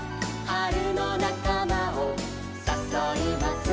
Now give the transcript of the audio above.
「はるのなかまをさそいます」